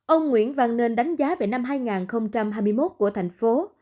ông nguyễn văn nên đánh giá về năm hai nghìn hai mươi một của thành phố